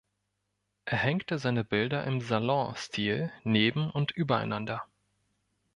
Er hängte seine Bilder im „Salonstil“ neben- und übereinander.